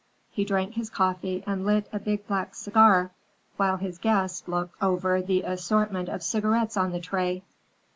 He drank his coffee and lit a big black cigar while his guest looked over the assortment of cigarettes on the tray.